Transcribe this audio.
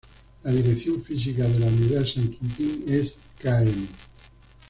La dirección física de la Unidad San Quintín es "km.